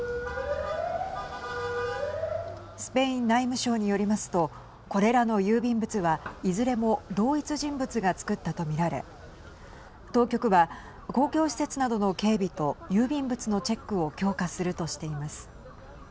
スペイン内務省によりますとこれらの郵便物は、いずれも同一人物が作ったと見られ当局は公共施設などの警備と郵便物のチェックを強化するとしています。